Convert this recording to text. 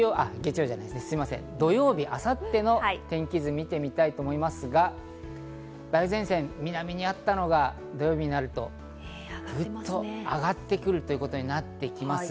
土曜日、明後日の天気図を見てみたいと思いますが、梅雨前線、南にあったのが土曜日になると、ぐっと上がってくるということになってきます。